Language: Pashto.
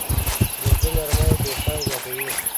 د زړۀ نرمي دوستان زیاتوي.